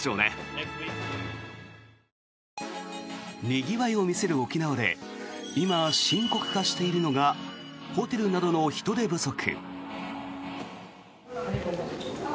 にぎわいを見せる沖縄で今、深刻化しているのがホテルなどの人手不足。